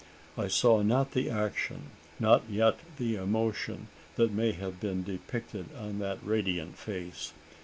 I saw not the action, nor yet the emotion that may have been depicted on that radiant face.